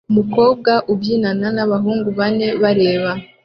Umukobwa ubyinana nabahungu bane bareba